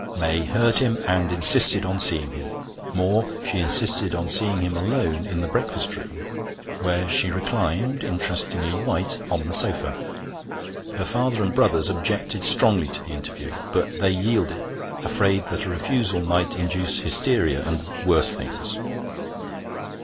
May heard him, and insisted on seeing him; more, she insisted on seeing him alone in the breakfast room, where she reclined, interestingly white, on the sofa. Her father and brothers objected strongly to the interview, but they yielded, afraid that a refusal might induce hysteria and worse things.